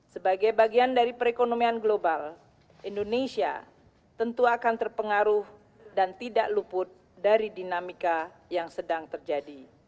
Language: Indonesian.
sebagai bagian dari perekonomian global indonesia tentu akan terpengaruh dan tidak luput dari dinamika yang sedang terjadi